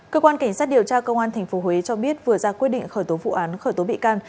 cơ quan cảnh sát điều tra công an tp huế cho biết vừa ra quyết định khởi tố vụ án khởi tố bị can